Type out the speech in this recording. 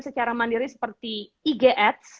secara mandiri seperti ig ads